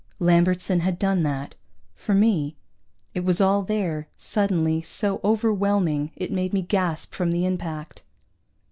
Lambertson had done that. For me. It was all there, suddenly, so overwhelming it made me gasp from the impact.